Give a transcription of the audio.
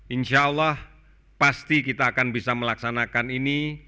insyaallah pasti kita akan bisa melaksanakan ini